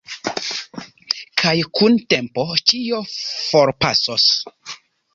Kaj kun tempo ĉio forpasos.